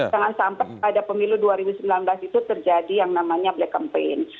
jangan sampai pada pemilu dua ribu sembilan belas itu terjadi yang namanya black campaign